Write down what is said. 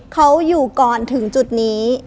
เขาอยู่ก่อนถึงจุดนี้